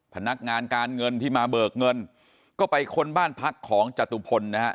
พนักงานการเงินที่มาเบิกเงินก็ไปค้นบ้านพักของจตุพลนะฮะ